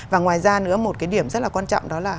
và ngoài ra nữa một cái điểm rất là quan trọng đó là